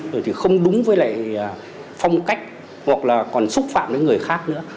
rồi thì không đúng với lại phong cách hoặc là còn xúc phạm đến người khác nữa